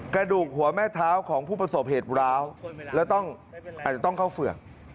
กระดูกหัวแม่เท้าของผู้ประสบเหตุร้าวแล้วต้องอาจจะต้องเข้าเฝือก